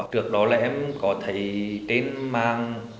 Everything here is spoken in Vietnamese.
trước đó là em có thấy trên mạng